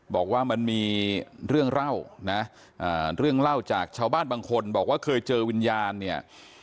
บอกว่ามันมีเรื่องเล่านะเรื่องเล่าจากชาวบ้านบางคนบอกว่าเคยเจอวิญญาณเนี่ย